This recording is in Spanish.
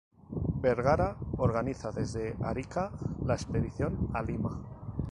Vergara organiza desde Arica la expedición a Lima.